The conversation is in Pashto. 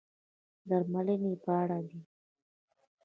درملنې په اړه دي.